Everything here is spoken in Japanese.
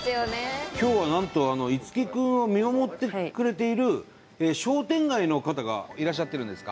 今日はなんと樹くんを見守ってくれている商店街の方がいらっしゃってるんですか？